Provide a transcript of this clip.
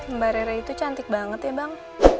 mbak rera itu cantik banget ya bang